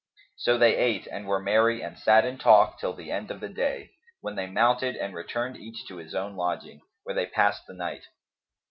So they ate and were merry and sat in talk, till the end of the day, when they mounted and returned each to his own lodging, where they passed the night.